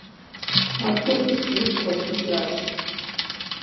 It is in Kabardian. Апхуэдэу сщӀыри сыгъуэлъыжащ.